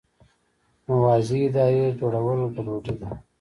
موازي ادارې جوړول ګډوډي ده.